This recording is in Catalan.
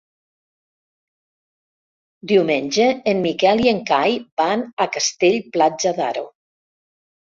Diumenge en Miquel i en Cai van a Castell-Platja d'Aro.